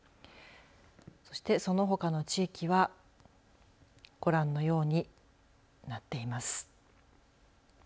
そして、そのほかの地域はご覧のようになっています。